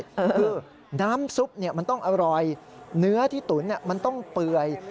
คือน้ำซุปมันต้องอร่อยเนื้อที่ตุ๋นมันต้องเปื่อย